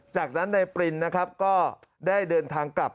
จากนั้นนายปรินนะครับก็ได้เดินทางกลับ